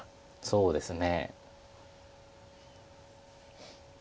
そうですね。